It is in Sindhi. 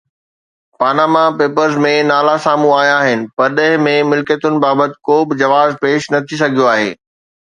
پاناما پيپرز ۾ نالا سامهون آيا آهن، پرڏيهه ۾ ملڪيتن بابت ڪو به جواز پيش نه ٿي سگهيو آهي.